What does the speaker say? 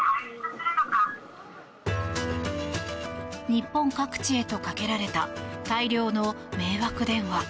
日本各地へとかけられた大量の迷惑電話。